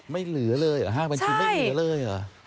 ไม่เหลือเลยเหรอ๕บัญชีไม่เหลือเลยเหรอ